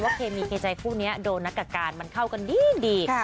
ว่าเคมีเคใจคู่เนี้ยโดนัทกับการมันเข้ากันดีดีค่ะ